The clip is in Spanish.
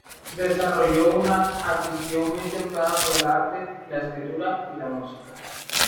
Desarrolló una afición muy temprana por el arte, la escritura y la música.